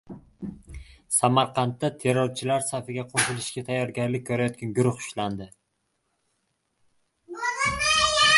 Samarqandda terrorchilar safiga qo‘shilishga tayyorgarlik ko‘rayotgan guruh ushlandi